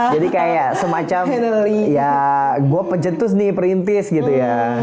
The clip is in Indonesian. jadi kayak semacam ya gue pencetus nih perintis gitu ya